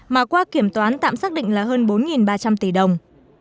mà qua kiểm toán tạm xác định là hơn bốn ba trăm linh tỷ đồng